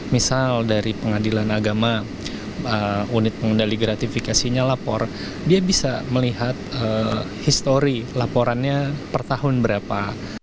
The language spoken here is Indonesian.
misal dari pengadilan agama unit pengendali gratifikasinya lapor dia bisa melihat histori laporannya per tahun berapa